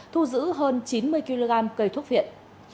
thu giữ hơn chín mươi kg cây thuốc viện